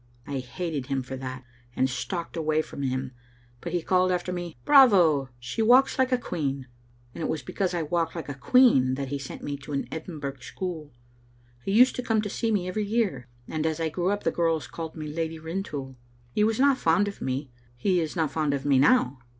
I hated him for that, and stalked away from him, but he called after me, * Bravo! she walks like a queen *; and it was because I walked like a queen that he sent me to an Edinburgh school. He used to come to see me every year, and as I grew up the girls called me Lady Rintoul. He was not fond of me ; he is not fond of me now.